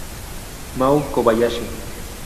Mao Kobayashi